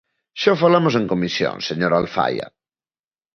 Xa o falamos en comisión, señora Alfaia.